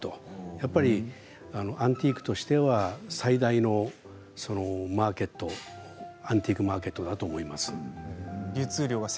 やっぱりアンティークとしては最大のマーケットアンティークマーケットだと思います。